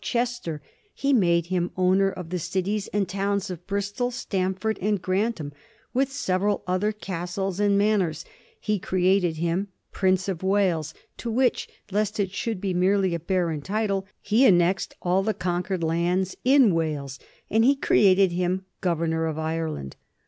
83 Chester ; he made him owner of the cities and towns of Bristol, Stamford, and Grantham, with several other cas tles and manors ; he created him Prince of Wales, to which, lest it should be merely a barren title, he annexed all the conquered lands in Wales ; and he created him Governor of Ireland.